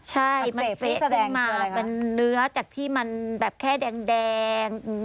ใช่มันเฟสขึ้นมาเป็นเนื้อจากที่มันแบบแค่แดง